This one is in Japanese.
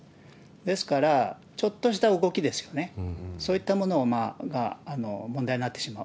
ですから、ちょっとした動きですよね、そういったものが問題になってしまう。